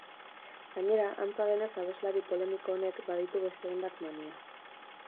Gainera, antza denez abeslari polemiko honek baditu beste hainbat mania.